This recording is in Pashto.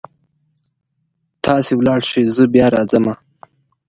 تاسې لاړ شئ زه بیا راځمه